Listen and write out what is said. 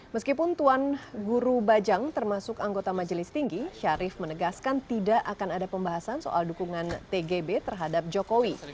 meskipun tuan guru bajang termasuk anggota majelis tinggi syarif menegaskan tidak akan ada pembahasan soal dukungan tgb terhadap jokowi